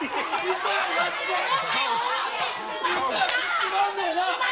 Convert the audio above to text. つまんねえな。